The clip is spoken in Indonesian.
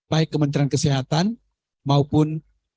baik kementerian kesehatan maupun